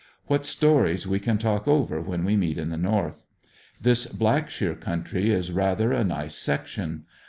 What stories we can talk over when we meet at the North. This Blackshear country is rather a nice section.